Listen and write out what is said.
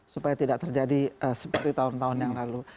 supaya tidak terjadi seperti tahun tahun yang lalu